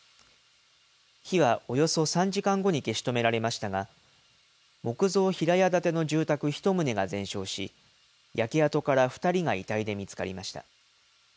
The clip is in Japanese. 火はおよそ３時間後に消し止められましたが、木造平屋建ての住宅１棟が全焼し、焼け跡から２人が遺体で見つかりました。